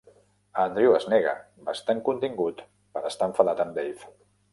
Andrew es nega, bastant contingut per estar enfadat amb Dave.